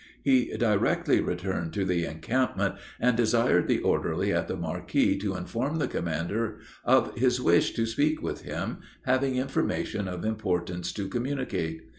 He directly returned to the encampment, and desired the orderly at the marquee to inform the commander of his wish to speak with him, having information of importance of communicate.